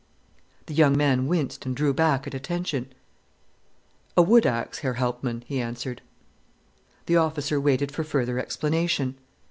The young man winced and drew back at attention. "A wood axe, Herr Hauptmann," he answered. The officer waited for further explanation.